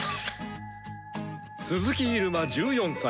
鈴木入間１４歳。